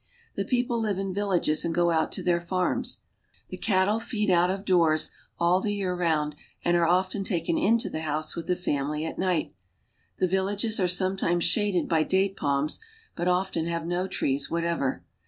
The people live in villages and go ont to their farms. KThe cattle feed out of doors all the year round, and are B4>ften taken into the house with the family at night. The villages are sometimes shaded hy date palms, but ften have no trees whatever.